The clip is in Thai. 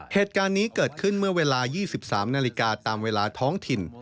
เหตุการณ์นี้เกิดขึ้นเมื่อเวลา๒๓นาฬิกาตามเวลาท้องถิ่น